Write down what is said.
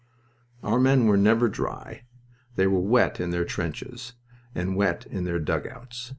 Our men were never dry. They were wet in their trenches and wet in their dugouts.